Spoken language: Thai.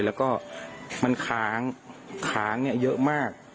แล้วก็มันขางขางเนี่ยเยอะมาก